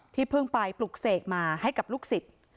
เพิ่งไปปลุกเสกมาให้กับลูกศิษย์